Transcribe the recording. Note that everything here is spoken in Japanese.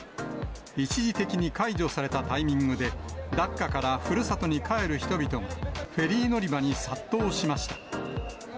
一時的に解除されたタイミングで、ダッカからふるさとに帰る人々がフェリー乗り場に殺到しました。